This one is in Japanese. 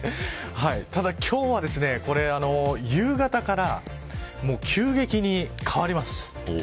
ただ、今日は夕方から急激に変わります。